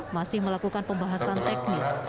masih melakukan pembahasan teknis